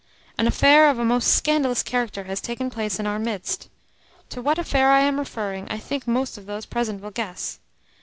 An affair of a most scandalous character has taken place in our midst. To what affair I am referring I think most of those present will guess.